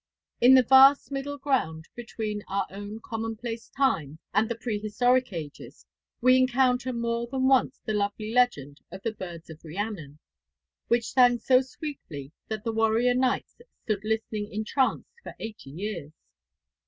In the vast middle ground between our own commonplace times and the pre historic ages we encounter more than once the lovely legend of the Birds of Rhiannon, which sang so sweetly that the warrior knights stood listening entranced for eighty years.